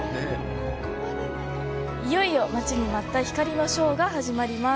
いよいよ待ちに待った光のショーが始まります。